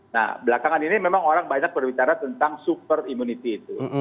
nah belakangan ini memang orang banyak berbicara tentang super immunity itu